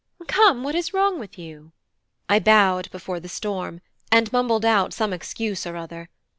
Come, what is wrong with you?" I bowed before the storm, and mumbled out some excuse or other.